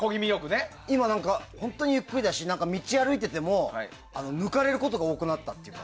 今本当にゆっくりだし道、歩いていても抜かれることが多くなった。